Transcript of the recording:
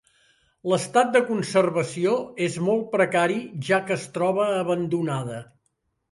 L'estat de conservació és molt precari, ja que es troba abandonada.